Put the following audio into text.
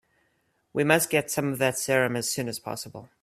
We must get some of that serum as soon as possible.